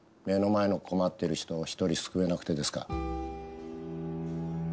目の前の困っている人を一人救えなくてですか？